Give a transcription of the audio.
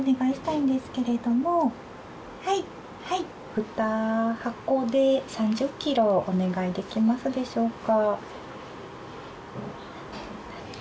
はいはい２箱で３０キロお願いできますでしょうか？